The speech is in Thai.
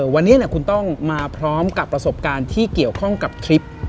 วันนี้คุณต้องมาพร้อมกับประสบการณ์ที่เกี่ยวข้องกับคลิป